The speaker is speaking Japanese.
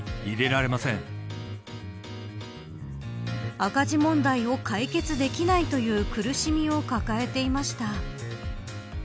赤字問題を解決できないという苦しみを抱えていました。